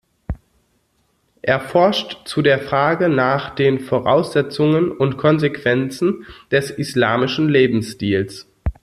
Er forscht zu der Frage nach den Voraussetzungen und Konsequenzen des islamischen Lebensstils.